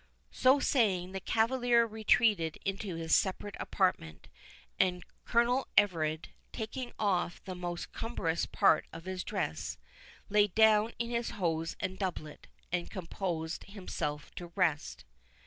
So saying, the cavalier retreated into his separate apartment, and Colonel Everard, taking off the most cumbrous part of his dress, lay down in his hose and doublet, and composed himself to rest.